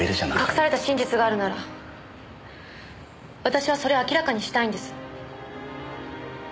隠された真実があるなら私はそれを明らかにしたいんです。